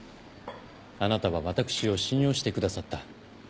あなたは私を信用してくださった。